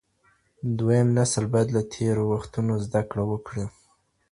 دویم نسل باید له تېرو وختونو زده کړه وکړي.